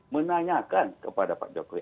menanyakan kepada pak jokowi